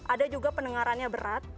ada juga pendengarannya berat